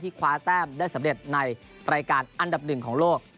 คว้าแต้มได้สำเร็จในรายการอันดับหนึ่งของโลก